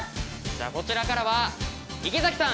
じゃあこちらからは池崎さん！